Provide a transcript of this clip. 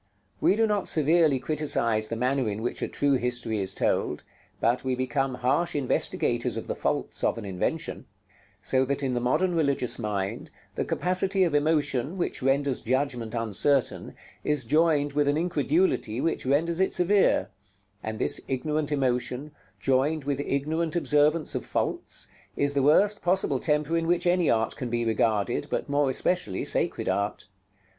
We do not severely criticise the manner in which a true history is told, but we become harsh investigators of the faults of an invention; so that in the modern religious mind, the capacity of emotion, which renders judgment uncertain, is joined with an incredulity which renders it severe; and this ignorant emotion, joined with ignorant observance of faults, is the worst possible temper in which any art can be regarded, but more especially sacred art.